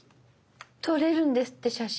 撮れるんですって写真。